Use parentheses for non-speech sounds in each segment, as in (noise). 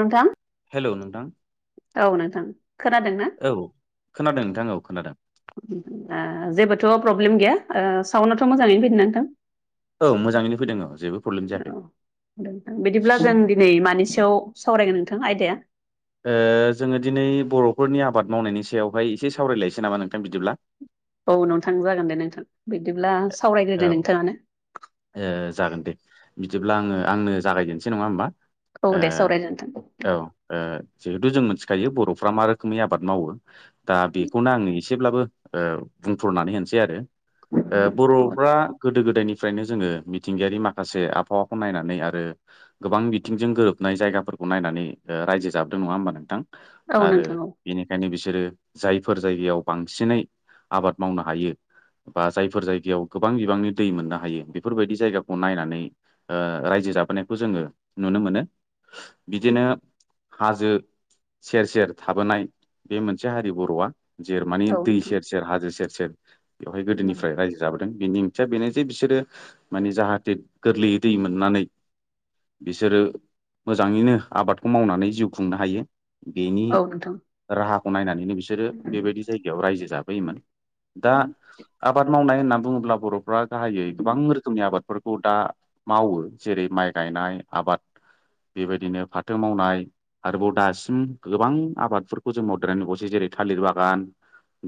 नोंथां हेलौ नोंथां औ नोंथां खोनादोंना औ खोनादों नोंथां औ खोनादों जेबोथ' प्रब्लेम गैया साउडथ' मोजाङैनो फैदों नोंथां औ मोजाङैनो फैदों औ जेबो प्रब्लेम जायाखै थां बिदिब्ला जों दिनै मानि सोमोन्दै सावरायगोन नोंथां आयदाया जोङो दिनै बर'फोरनि आबाद मावनायनि सायावहाय एसे सावरायलायनोसै नामा नोंथां बिदिब्ला औ नोंथां जागोन दे नोंथां बिदिब्ला औ सावरायग्रोदो नोंथाङानो जागोन दे बिदिब्ला आङो आंनो जागायजेनसै नङा होमबा औ दे सावरायदो नोंथां औ जिहेथु जों मोनसे मिथिखायो बर'फ्रा मा रोखोमनि आबाद मावो दा बेखौनो आंडी एसे जेब्लाबो बुंथ'नानै होनसै आरो बर'फ्रा गोदो गोदायनिफ्राय फ्रायनो जोङो मिथिंगायारि माखासे आबहावाखौ नायनानै आरो गोबां बिथिंजों गोरोबनाय जायगाफोरखौ नायनानै रायजो जाबोदों नङा होनबा नोंथां औ आरो नोंथां औ बेनिायनो बिस जेरै जायफोर जायगायाव बांसिनै आबाद मावनो हायो बा जायफोर जायगायाव गोबां बिबांनि दै मोनाङा हायो बेफोरबायदि जायगाखौ नायनानै रायजो जाबोनायखौ जोङो नुनो मोनो बिदिनो हाजो सेर सेर थाबोनाय बे मोनसे हारि बर'आ जेर माने औ दै नोंथां सेर सेर हाजो सेर सेर बेवहाय गोदोनिफ्राय रायजो जाबोदों बेनि ओंथिया बेनो जे बि बिसोरो माने जाहाथे गोरलैयै दै मोननानै बिसोरो मोजाङैनो आबादखौ मावनानै जिउ खुंनो हायो बेनि औ नोंथां राहाखौ नायनानै नो बिसोरो बेबायदि जायगायाव रायजो जाफैयोमोन दा आबाद मावनाय होनना बुङोब्ला बर'फ्रा गाहायै गोबां रोखोमनि आबादफोरखौ दा मावो जेरै माइ गायनाय आबाद बेबायदिनो फाथो मावनाय आरोबाव दासिम गोबां आबादफोरखौ जों मावदेर नुबसै जेरै थालिर बागान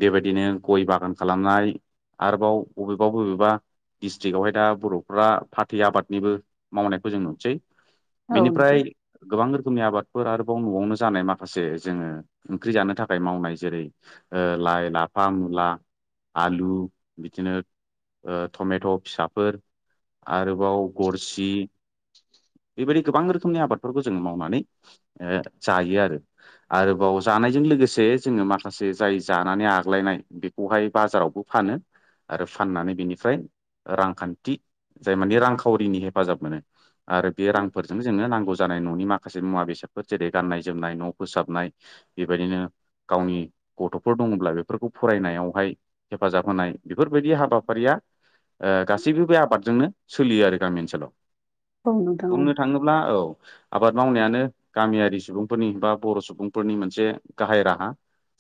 बेबायदिनो गय बागान खालामनाय आरोबाव बबेबा बबेबा दिस्ट्रिक्आवहाय दा बर'फ्रा फाथै आबादनिबो मावनायखौ जों नोसै औ नोंथां बेनिफ्राय गोबां रोखोम रोखोमनि आबाद आरोबाव न'आवनो जानाय माखासे जोङो ओंख्रि जानो थाखाय मावनाय जेरै लाइ लाफा मुला आलु बिदिनो टमेट' फिसाफोर आरोबाव गरसि बेबायदि गोबां रोखोमनि आबादफोरखौ जोंङो मावनानै जायो आरो आरोबाव जों जानायजों लोगोसे जोंङो माखासे जाय जानानै आग लायनाय बेखौहाय बाजारावबो फानो आरो फाननानै बेनिफ्राय रांखान्थि जाय माने रांखावरिनि हेफाजाब मोनो आरो बे रांफोरजों जोंनो नांगौ जानाय न'नि माखासे मुवा बेसाद जेरै गाननाय जोमनाय न' फोसाबनाय बेबायदिनो गावनि गथ'फोर दंङोब्ला बेफोरखौ फरायनायावहाय हेफाजाब होनाय बेफोरबायदि हाबाफारिया गासैबो बे आबादजोंनो सोलियो आरो गामि ओनसोलाव औ नोंथां औ बुंनो थांङोब्ला औ आबाद मावनायानो गामियारि सुबुंफोरनि बा बर' सुबुंफोरनि मोनसे गाहाय राहा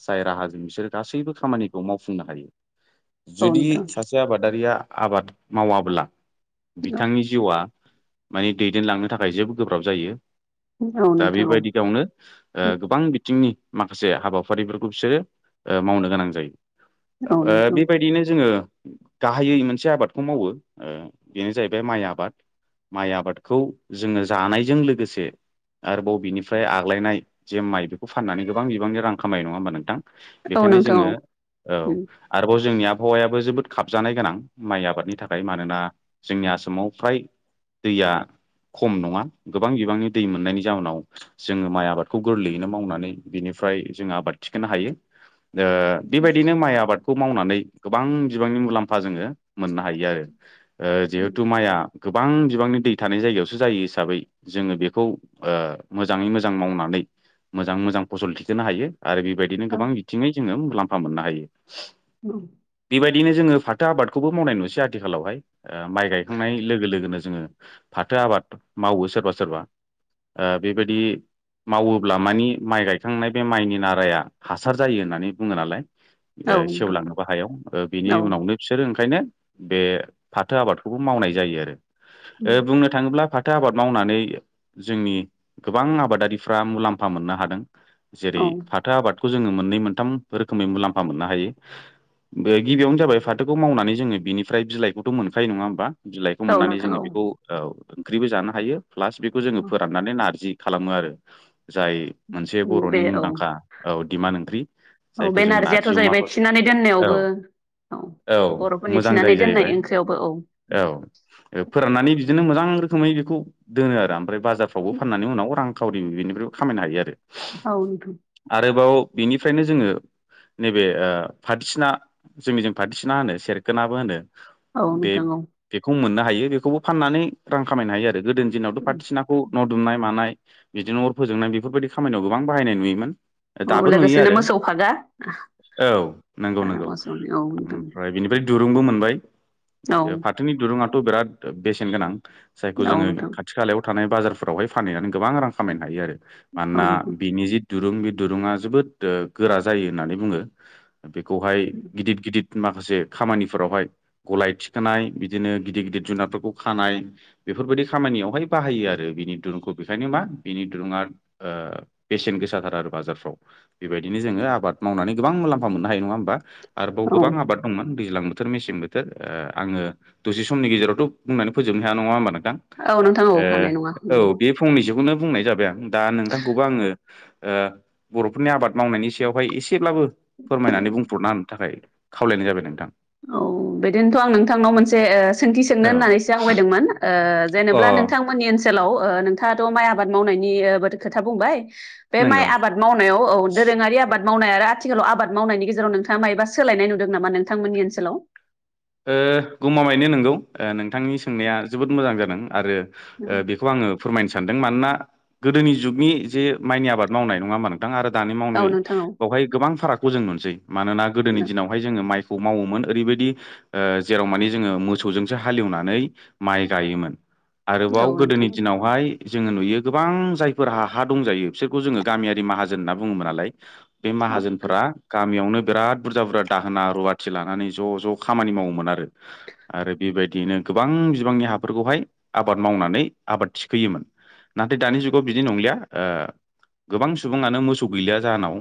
जाय राहाजों बिसोरो गासैबो खामानिखौ मावफुंनो हायो। औ जुदि सासे आबादारिया आबाद मावाब्ला बिथांनि जिउआ माने दैदेनलांनो थाखाय जेबो गोब्राब जायो। दा नोंथां बेबायदि गावनो गोबां बिथिंनि माखासे हाबाफारिफोरखौ बिसोरो मावनो गोनां जायो। औ नोंथां औ नोंथां बेबायदिनो जोंङो गाहायै मोनसे मोनसे आबादखौ मावो बेनो जाहैबाय माइ आबाद माइ आबादखौ जोंङो जानायजों लोगोसे आरोबाव बिनिफ्राय आग्लायनाय जे माइ बेखौ फाननानै गोबां बिबांनि रां खामनाय नंङा होमबा नोंथां औ बेखायनो नोंथां जोंङो औ आरोबाव जोंनि आबहावायाबो जोबोद खाबजानाय गोनां माइ आबादनि थाखाय मानोना जोंनि आसामाव फ्राय दैया खम नंङा गोबां बिबांनि दै मोननायनि जाउोनाव जोङो माइ आबादखौ गोरलैयैनो मावनानै बिनि फ्राय जों आबाद थिखोनो हायो। ओ बेबायदिनो माइ आबादखौ मावनानै गोबां बिबांनि मुलाम्फा जोङो मोननो हायो आरो ओ जिहेथु माइआ गोबां बिबांनि दै थानाय जायगायावसो जायो हिसाबै जोंङो बेखौ ओ मोजाङै मोजां मावनानै मोजां मोजां फसल थिखोनो हायो आरो बेबायदिनो गोबां बिथिङै जोंङो मुलाम्फा मोननो हायो। (unintelligible) बायदिनो जोंङो फाथो आबादखौबो मावनाय नुसै आथिखालावहाय ओ माइ गायखांनाय लोगो लोगोनो जोंङो फाथो आबाद मावो सोरबा सोरबा ओ बेबायदि मावोब्ला मानि माइ गायखांनाय बे माइनि नाराया हासार जायो होननानै बुंङो नालाय। औ औ ओ नोंथां सेवलाङोबो हायाव ओ बिनि औ उनावनो फिसोरो ओं खायनो बे फाथो आबादखौबो मावनाय जायो आरो। ओ उम बुंनो थांङोब्ला फा थो आबाद मावनानै जोंनि गोबां आबादारिफ्रा मुलाम्फा मोननो हादों। औ जेरै फाथो आबाद खौ जोङो मोननै मोनथाम रोखोमै मुलामा मोननो हायो बे गिबियावनो जाबाय फाथोखौ मावनानै जोङो बिनिफ्राय बिलाइखौथ' मोनखायो नङा होमबा बिलाइखौ औ मोननानै नोंथां जोंङो औ बेखौ औ ओंख्रिबो जानो हायो। प्लास बेखौ जोंङो फोराननानै नारजि खालामो आरो। जाय मोनसे औ बर'नि बे औ मुंदांखा औ दिमान ओंख्रि औ बे जायखौ जोंङो नारजियाथ' नारजि अमा जाहैबाय हर थिनानै दोननायावबो औ औ बर'फोरनि मोजां। आं थिनानै जायो दोननाय जाहैबाय ओंख्रियावबो औ औ ओ फोराननानै बि दिनो मोजां रोखोमै बेखौ दोनो आरो ओमफ्राय बाजारफ्रावबो फाननानै उनाव रांखावरि बेनिफ्राय खामायनो हायो आरो। औ बिनिफ्रायनो जोंङो नैबे ओ फथिसिना जोंनिजों फाथिसिना होनो सेर खोनाबो होनो औ बे नोंथां औ बेखौ मोननो हायो बेखौबो फाननानै रां खामायनो हायो आरो। गोदोनि दिनावथ' फाथोसिनाखौ न' दुमनाय मानाय बिदिनो अर फोजोंनाय बेफोरबायदि खामानियाव गोबां बाहायनाय नुयोमोन। औ दाबो नुयो लोगोसेनो आरो मोसौ फागा औ नोंगौ नोंगौ मोसौनि औ नोंथां ओमफ्राय बेनिफ्राय दुरुंबो मोनबाय औ ओ फाथोनि दुरुंङाथ' बिराद बेसेन गोनां। जायखौ औ जोङो नोंथां खाथि खालायाव थानाय बाजारफोरावहाय फानैनानै गोबां रां खामायनो हायो आरो। औ मानोना नोंथां बिनि जि दुरुं बे दुरुंङा जोबोद गोरा जायो होननानै बुङो। बेखौहाय गिदिद गिदिद माखासे खामानिफोरावहाय गलाय थिखोनाय बिदिनो गिदिद गिदिद जुनादफोरखौ खानाय बेफोरबायदि खामा नियावहाय बाहायो आरो बिनि दुरुंखौ बेनिखायनो मा बिनि दुरुंङा ओ बेसेन गोसाथारा आरो बाजा फ्राव बेबायदिनो जोङो आबाद मावनानै गोबां मुलाम्फा मोननो हायो नङा होमबा आरोबाव औ गोबां आबाद दंमोन दैज्लां बोथोर मेसें बोथोर ओ आङो दसे समनि गेजेरावथ' बुंनानै फोजोबनो हाया नङा होमबा नों थां औ नोंथां औ हानाय नङा ओ उम औ बे फंनैसोखौनो बुंनाय जाबाय आं दा नोंथांखौबो आङो ओ बर'फोरनि आबाद मावनायनि सायावहाय एस सेब्लाबो फोरमायनानै बुंथ'ना होनो थाखाय खावलायनाय जाबाय नोंथां। औ बेदिनोथ' आं नोंथांनाव मोनसे ओ सोंथि सोंनो औ होननानैसो आवगायदोंमोन ओ ओ अ जेनेब्ला नोंथांमोननि ओनसोलाव ओ नोंथाङाथ' माइ आबाद मावनायनि ओ बोथो खोथा बुंबाय। बे माइ नंगौ आबाद मावनायाव औ दोरोङारि आबाद आबाद मावनाय आरो आथिखालाव आबाद मावनायनि गेजेराव नोंथाङा मायोबा सोलायनाय नुदों नामा नोंथांमोननि ओनसोलाव ओ गमा मायैनो नोंगौ ओ नोंथांनि सोंनाया जोबोद मोजां जादों आरो ओ बेखौ आङो फोरमायनो सान दों मानोना गोदोनि जुगनि जे माइनि आबाद मावनाय नङा होमबा नों थां आरो दानि औ मावनाय नोंथां बावहाय गोबां फारागखौ जों नुनसै मानोना गोदोनि औ दिनावहाय जोङो माइ खौ मावोमोन ओरैबायदि ओ जेराव मानि जोङो मोसौजोंसो हाले एवनानै माइ गायोमोन। आरोबाव औ नोंथां गोदोनि दिनावहाय जोङो नुयो गोबां जायफोरहा हा दंजायो बिसोरखौ जोङो गामियारि माहाजोन होनना बुङोमोन नालाय। बे औ माहाजोनफोरा गामियावनो बिराद बुरजा बुरजा दाहोना रुवाथि लानानै ज' ज' खामानि मावोमोन आरो आरो बेबायदियैनो गोबां बिबांनि हाफोरखौहाय आबाद मावनानै आबाद थिखोयोमोन नाथाय दानि जुगाव बिदि नंलिया गोबां सुबुङानो मोसौ गैलिया जाहोनाव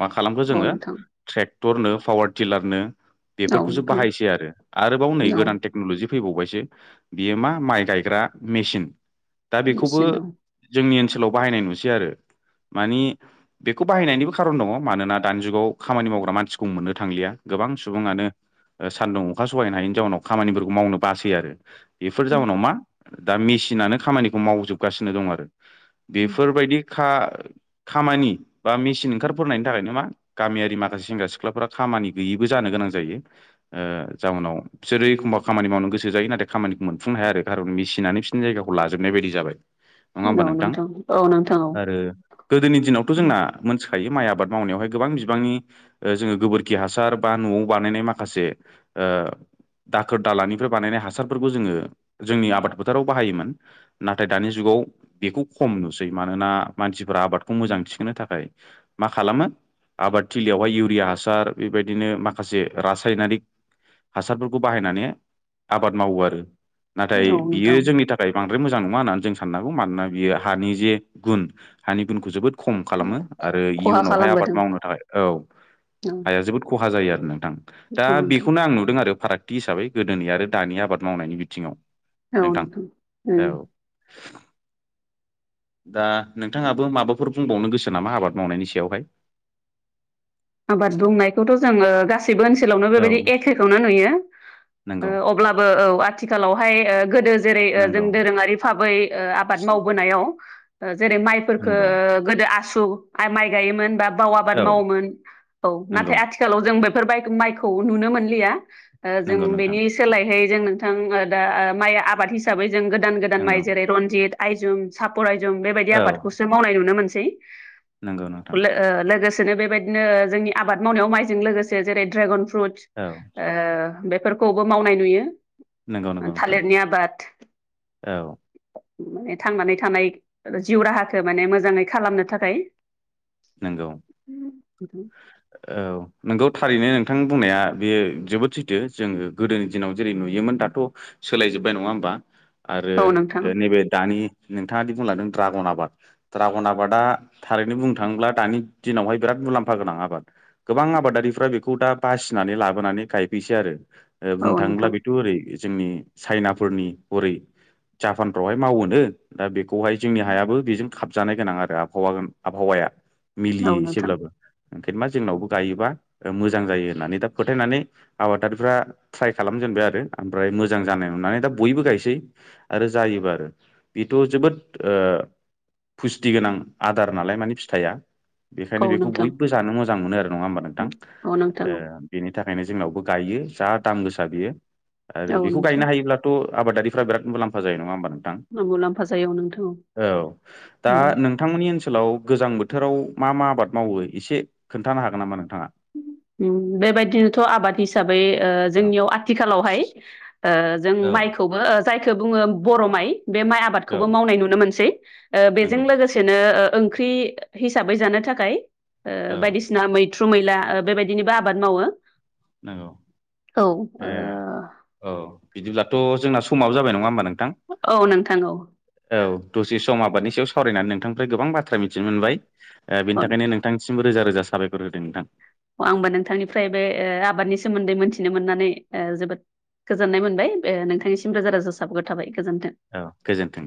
मा खालामखो औ जोङो नोंथां ट्रेक्टरनो पावार टिलारनो औ सो नोंथां बाहायसै आरोबाव नै औ गोदान टेकन'लजि फैबावबायसो बियो मा माइ गायग्रा मेसिन दा बेखौबो निसिनो जोंनि ओनसोलाव बाहायनाय नुसै आरो मानि बेखौ बाहायनायनिबो खारन दङ मानोना दानि जुगाव खामानि मावग्रा मानसिखौ मोननो थांलिया गोबां सुबुङानो सान्दुं अखा सहायनो हायैनि जाउनाव खामानिफोरखौ मावनो बासै आरो बेफोर जाउनाव मा दा मेसिनानो खामानिखौ मावजोबगासिनो दं आरो बेफोरबायदि खामानि बा मेसिन ओंखारफोरनायनि थाखायनो मा गामियारि माखासे सेंग्रा सिख्लाफोरा खामानि गैयिबो जानो गोनां जायो जाहोनाव बिसोरो एखमबा खामानि मावनो गोसो जायो नाथाय खामानिखौ मोनफुंनो हाया आरो खारन मेसिनानो बि जायगाखौ लाजोबनाय बायदि जाबाय नङा औ होमबा औ नोंथां औ नोंथां औ आरो गोदोनि दिनावथ' जोंना मोनथिखायो माइ आबाद मावनायावहाय गोबां बिबांनि जोङो गोबोरखि हासार बा न'आव बानायनाय माखासे माखासे दाखोर दालानिफ्राय बानायनाय हासारफोरखौ जोङो जोंनि आबाद फोथाराव बाहायोमोन नाथाय दानि जुगाव बेखौ खम नुसै मानोना मानसिफोरा आबादखौ मोजां थिखोनो थाखाय मा खालामो आबाद थिलियावहाय इउरिया हासार बेबायदिनो माखासे रासायनारिक हासारफोरखौ बाहायनानै आबाद मावो आरो नाथाय औ नोंथां बियो जोंनि थाखाय बांद्राय मोजां नङा होननानै जों साननांगौ मानोना बियो हानि जे गुन हानि गुनखौ जोबोद खम खालामो आरो खहा इयुनावहाय आबाद खालामबोदों मावनो थाखाय औ औ हाया जोबोद खहा जायो आरो नोंथां दा औ नोंथां बेखौनो आं नुदों आरो फारागथि हिसाबै गोदोनि आरो दानि आबाद मावनायनि बिथिङाव ओ नोंथां अ औ (inaudible) दा नोंथाङाबो माबाफोर बुंबावनो गोसो नामा आबाद मावनायनि सायावहाय आबाद बुंनायखौथ' जोङो गासैबो गासैबो ओनसोलावनो औ बेबायदि एखेखौना नुयो नंगौ अब्लाबो औ आथिखालावहाय गोदो जेरै जों नंगौ दोरोङारि भाबै आबाद मावबोनायाव जेरै नंगौ माइफोरखौो गोदो आसु माइ गायोमोन बा बाव आबाद औ मावोमोन औ नाथाय नंगौ आथिखालाव जों बेफोर माइखौ नुनो मोनलिया जों नंगौ नोंथां बेनि सोलायहै जों नोंथां दा माइ आबाद हिसाबै जों गोदान गोदान माइ नंगौ जेरै रनजित आयजं सापर आइजं बेबायदि औ आबादखौसो मावनाय नुनो मोनसै नंगौ नोंथां लोगोसेनो बेबायदि जोंनि आबाद मावनायाव माइजों लोगोसे जेरै द्रेगन फ्रुट औ बेफोरखौबो मावनाय नुयो नंगौ नंगौ नोंथां थालिरनि आबाद औ माने थांनानै थानाय जिउ राहाखौ माने मोजाङै खालामनो थाखाय नंगौ उम औ नोंगौ थारैनो नोंथां बुंनाया बेयो जोबोद सैथो जोङो गोदोनि दिनाव जेरै नुयोमोन दाथ' सोलायजोब बोबाय नङा होनबा आरो औ नोंथां नैबे दानि नोंथाङा बुंलांदों ड्रागन आबाद ड्रागन आबादा थारैनो बुंदों थांब्ला दानि दिनावहाय बिराद मुलाम्फा गोनां आबाद गोबां आबादारिफ्रा बेखौ दा बासिनानै लाबोनानै गायफैसै आरो औ बुंनो थाङोब्ला नोंथां बेथ' ओरै जोंनि चाइनाफोरनि हरै जापानफ्रावहाय मावोनो दा बेखौहाय जोंनि हायाबो बेजों खाबजानाय गोनां आरो आबहावा आबहावाया औ मिलियो नोंथां एसेब्लाबो ओंखायनोबा जोंनावबो गायोबा मोजां जायो होननानै दा फोथायनानै आबादारिफ्रा ट्राय खालामो। दोनबाय आरो ओमफ्राय मोजां जानाय नुनानै दा बयबो गायसै आरो जायोबा आरो बेथ' जोबोद। फुस्टि गोनां आदार नालाय माने फिथाइया औ बेखायनो बेखौ नोंथां बयबो जानो मोजां मोनो आरो नङा होमबा नोंथां। औ नोंथां बेनि थाखायनो जोंनावबो गायो जा। दाम गोसा बियो आरो औ बेखौ गायनो नोंथां हायोब्लाथ' आबादारिफ्रा बिराद मुलाम्फा जायो नङा होमबा नङा। औ मुलाम्फा जायो औ नोंथां दा नोंथांमोननि ओनसोल ओनसोलाव गोजां बोथोराव मा मा आबाद मावो एसे खोन्थानो हागोन नामा नोंथाङा। बेबायदिनोथ' आबाद हिसाबै औ जोंनियाव आथिखालावहाय जों औ माइखौबो जायखौ बुङो बर' माइ बे माइ औ आबादखौबो मावनाय नुनो मोनसै बेजों नंगौ लोगोसेनो ओंख्रि हिसाबै जानो थाखाय औ बायदिसिना मैथ्रु मैला बेबायदि बिदिबो आबाद मावो नंगौ औ ओ ए औ बिदिब्ला थ' जोंना समाबो जाबाय नङा हबा नोंथां औ नोंथां औ औ दसे सम आबादनि। सावरायनानै नोंथांनिफ्राय गोबां बाथ्रा मिथिनो मोनबाय बेनि थाखायनो औ नोंथां। सिमबो रोजा रोजा साबायखर होदों नोंथां। अ आंबो नोंथांनिफ्राय बे आबादनि सोमोन्दै मोनथिनो मोननानै जोबोद। गोजोननाय मोनबाय नोंथांनिसिम रोजा रोजा साबायखर थाबाय। गोजोन्थों। औ गोजोन्थों।